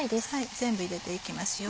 全部入れていきますよ。